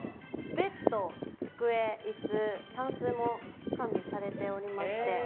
ベッド、机、椅子、たんすも完備されておりまして。